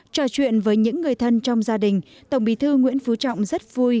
trò chuyện với những người thân trong gia đình tổng bí thư nguyễn phú trọng rất vui